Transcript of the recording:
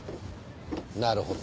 なるほどね。